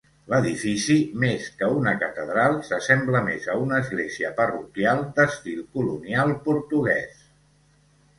L'edifici més que una catedral s'assembla més a una església parroquial d'estil colonial portuguès.